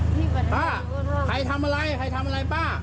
อ้าใครทำอะไรใครทำอะไรป่า